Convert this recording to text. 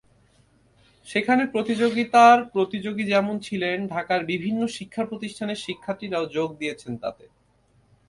সেখানে প্রতিযোগিতার প্রতিযোগী যেমন ছিলেন, ঢাকার বিভিন্ন শিক্ষাপ্রতিষ্ঠানের শিক্ষার্থীরাও যোগ দিয়েছেন তাতে।